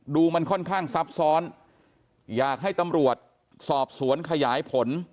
มันค่อนข้างซับซ้อนอยากให้ตำรวจสอบสวนขยายผล